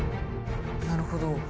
なるほど。